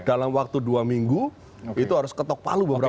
dalam waktu dua minggu itu harus ketok palu beberapa